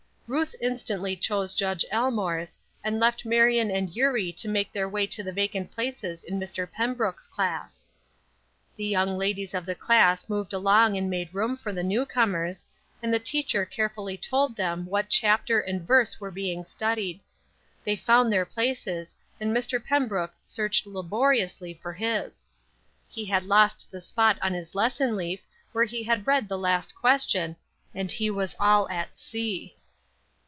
Ruth instantly chose Judge Elmore's, and left Marion and Eurie to make their way to the vacant places in Mr. Pembrook's class. The young ladies of the class moved along and made room for the new comers, and the teacher carefully told them what chapter and verse were being studied. They found their places, and Mr. Pembrook searched laboriously for his. He had lost the spot on his lesson leaf where he had read the last question, and he was all at sea.